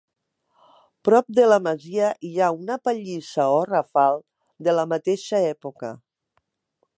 Prop de la masia hi ha una pallissa, o rafal, de la mateixa època.